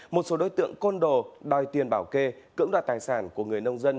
một số đối tượng côn đồ đòi tiền bảo kê cưỡng đoạt tài sản của người nông dân